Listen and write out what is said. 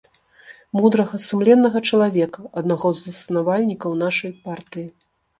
Мудрага, сумленнага чалавека, аднаго з заснавальнікаў нашай партыі.